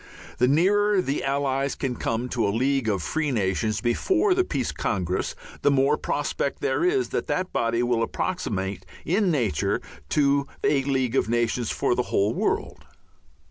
The nearer the Allies can come to a League of Free Nations before the Peace Congress the more prospect there is that that body will approximate in nature to a League of Nations for the whole world.